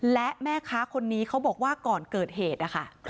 และแม่ค้าคนนี้เขาบอกว่าก่อนเกิดเหตุนะคะ